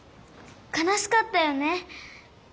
かなしかったよね。